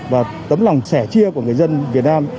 và tấm lòng sẻ chia của người dân việt nam